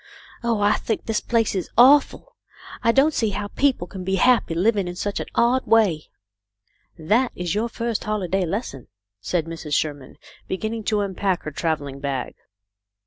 Oh, I think this place is awful ! I don't see how people can be happy, living in such an odd way." "That is your first holiday lesson," said Mrs. Sherman, beginning to unpack her travelling bag.